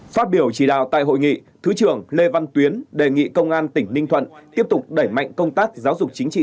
phát biểu chỉ đạo tại hội nghị thứ trưởng lê văn tuyến đề nghị công an tỉnh ninh thuận tiếp tục đẩy mạnh công tác giáo dục chính trị